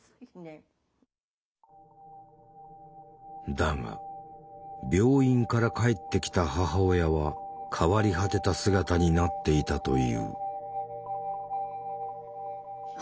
だが病院から帰ってきた母親は変わり果てた姿になっていたという。